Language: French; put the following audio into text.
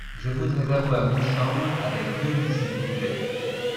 Je voudrais avoir une chambre avec deux lits s'il vous plait